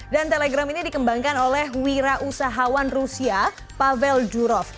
dan telegram ini dikembangkan oleh wira usahawan rusia pavel durov